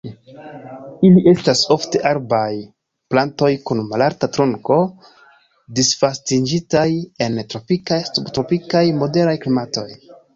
Ili estas ofte arbaj plantoj kun malalta trunko, disvastiĝintaj en tropikaj, subtropikaj, moderaj klimatoj.